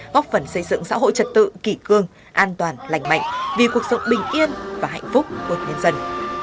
góp phần xây dựng xã hội trật tự kỷ cương an toàn lành mạnh vì cuộc sống bình yên và hạnh phúc của nhân dân